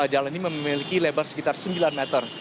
jalan ini memiliki lebar sekitar sembilan meter